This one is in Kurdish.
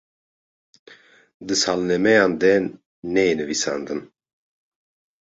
di salnemeyan de neyê nivisandin